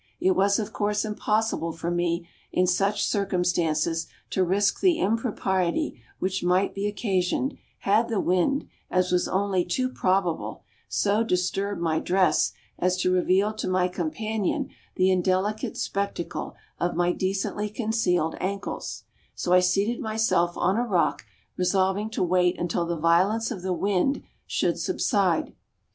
It was of course impossible for me in such circumstances to risk the impropriety which might be occasioned, had the wind, as was only too probable, so disturbed my dress as to reveal to my companion the indelicate spectacle of my decently concealed ankles, so I seated myself on a rock resolving to wait until the violence of the wind should subside.